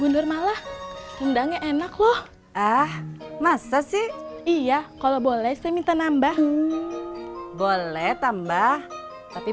mundur malah rendangnya enak loh ah masa sih iya kalau boleh saya minta nambah boleh tambah tapi